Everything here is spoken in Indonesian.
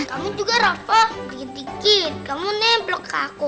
kamu juga rafa dikit dikit kamu neblok ke aku